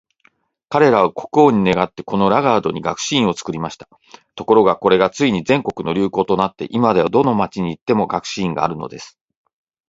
彼等は国王に願って、このラガードに学士院を作りました。ところが、これがついに全国の流行となって、今では、どこの町に行っても学士院があるのです。